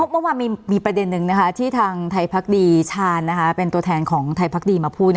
เมื่อวานมีประเด็นนึงที่ทางไทยพักดีชาญเป็นตัวแทนของไทยพักดีมาพูด